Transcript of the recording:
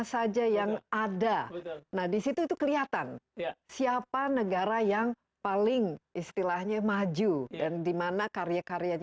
saja yang ada nah disitu itu kelihatan siapa negara yang paling istilahnya maju dan dimana karya karya